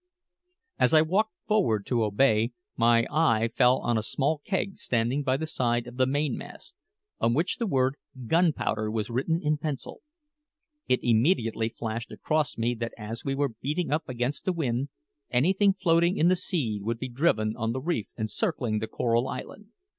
As I walked forward to obey, my eye fell on a small keg standing by the side of the mainmast, on which the word gunpowder was written in pencil. It immediately flashed across me that as we were beating up against the wind, anything floating in the sea would be driven on the reef encircling the Coral Island.